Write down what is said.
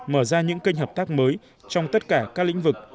mở ra những kênh hợp tác mới trong tất cả các lĩnh vực